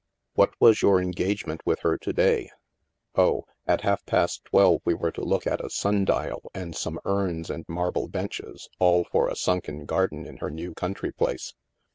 " What was your engagement with her to day ?"" Oh, at half past twelve we were to look at a sun dial and some urns and marble benches, all for a sunken garden in her new country place.